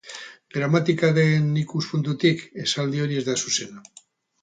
Gramatikaren ikuspuntutik, esaldi hori ez da zuzena.